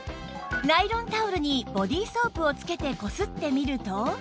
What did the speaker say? ナイロンタオルにボディソープをつけてこすってみると